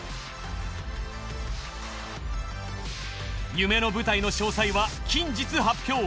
夢の舞台の詳細は近日発表。